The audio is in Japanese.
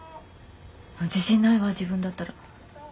自信ないわぁ自分だったら。